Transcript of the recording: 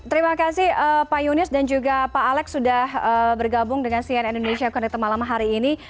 terima kasih pak yunis dan juga pak alex sudah bergabung dengan cn indonesia connected malam hari ini